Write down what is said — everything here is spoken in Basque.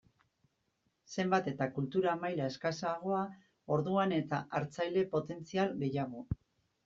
Zenbat eta kultura maila eskasagoa orduan eta hartzaile potentzial gehiago.